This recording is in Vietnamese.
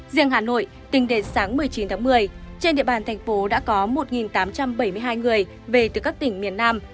riêng hà nội tính đến sáng một mươi chín tháng một mươi trên địa bàn thành phố đã có một tám trăm bảy mươi hai người về từ các tỉnh miền nam